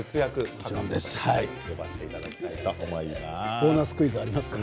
ボーナスクイズありますか。